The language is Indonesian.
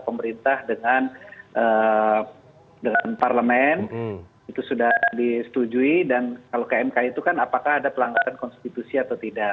pemerintah dengan parlemen itu sudah disetujui dan kalau ke mk itu kan apakah ada pelanggaran konstitusi atau tidak